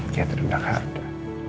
catherine dah kan ada